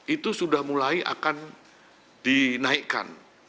itu sudah mulai akan dinaikkan